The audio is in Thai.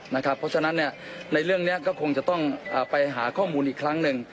เพราะฉะนั้นในเรื่องนี้ก็คงจะต้องไปหาข้อมูลอีกครั้งหนึ่ง